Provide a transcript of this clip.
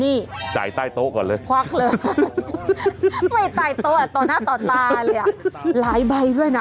นี่ควักเลยไม่ใต้โต๊ะต่อหน้าต่อตาเลยอ่ะหลายใบด้วยนะ